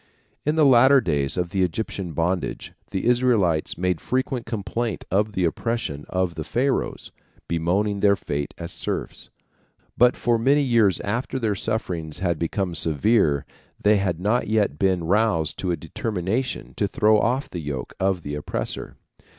In the later days of the Egyptian bondage the Israelites made frequent complaint of the oppression of the Pharaohs, bemoaning their fate as serfs, but for many years after their sufferings had become severe they had not yet been roused to a determination to throw off the yoke of the oppressor.